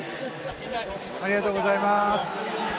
ありがとうございます。